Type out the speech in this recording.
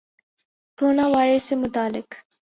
corona virus سے متعلق